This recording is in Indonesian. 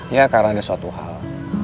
ya karena ada suatu hal